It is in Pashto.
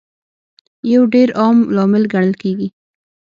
یو ډېر عام لامل ګڼل کیږي